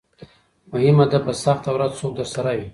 مهمه ده په سخته ورځ څوک درسره وي.